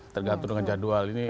tergantung dengan jadwal